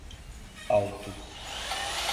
Altos